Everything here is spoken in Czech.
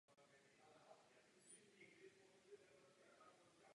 Případ Davida Kata je toho příkladem.